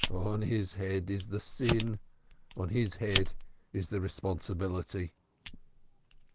"On his head is the sin; on his head is the responsibility."